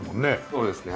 そうですね。